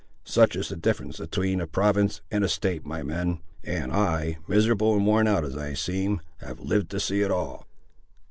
Such is the difference atween a province and a state, my men; and I, miserable and worn out as I seem, have lived to see it all!"